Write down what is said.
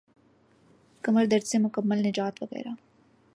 کمر درد سے مکمل نجات وغیرہ